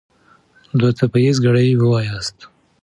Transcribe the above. دوه څپه ايزه ګړې وواياست.